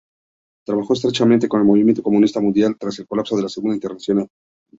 Trabajó estrechamente con el movimiento comunista mundial tras el colapso de la Segunda Internacional.